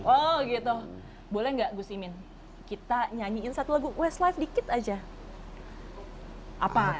oh gitu boleh gak gus imin kita nyanyiin satu lagu westlife dikit aja apa